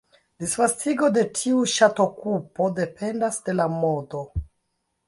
Disvastigo de tiu ŝatokupo dependas de la modo.